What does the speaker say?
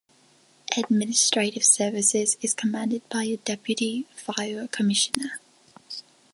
Administrative Services is commanded by a Deputy Fire Commissioner.